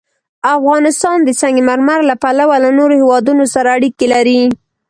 افغانستان د سنگ مرمر له پلوه له نورو هېوادونو سره اړیکې لري.